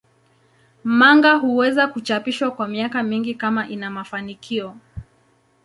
Manga huweza kuchapishwa kwa miaka mingi kama ina mafanikio.